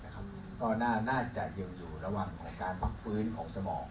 ก็น่าจะยังอยู่ระหว่างการพักฟื้นของสมอง